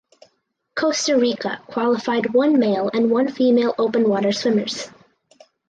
Costa Rica qualified one male and one female open water swimmers.